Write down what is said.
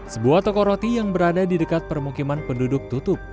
sebuah toko roti yang berada di dekat permukiman penduduk tutup